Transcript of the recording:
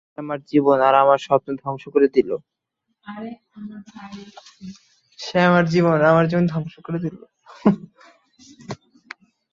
সে আমার জীবন আর আমার স্বপ্ন ধ্বংস করে দিল!